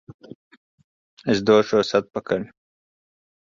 Es došos atpakaļ!